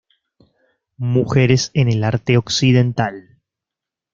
Mujeres en el Arte Occidental.